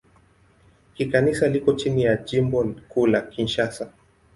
Kikanisa liko chini ya Jimbo Kuu la Kinshasa.